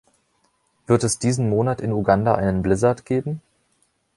Wird es diesen Monat in Uganda einen Blizzard geben?